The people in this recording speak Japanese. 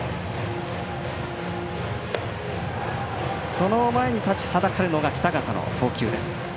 その前に立ちはだかるのが北方の投球です。